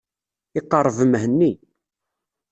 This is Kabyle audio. Iqerreb Mhenni.